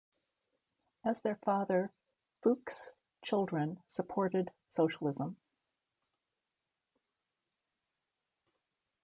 As their father, Fuchs's children supported socialism.